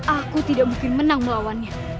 aku tidak mungkin menang melawannya